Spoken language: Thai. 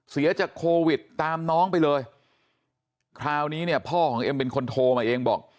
จากโควิดตามน้องไปเลยคราวนี้เนี่ยพ่อของเอ็มเป็นคนโทรมาเองบอก